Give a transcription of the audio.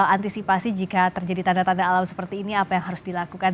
antisipasi jika terjadi tanda tanda alam seperti ini apa yang harus dilakukan